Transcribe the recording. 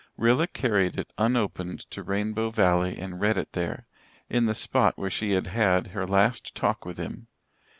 Rilla carried it unopened to Rainbow Valley and read it there, in the spot where she had had her last talk with him.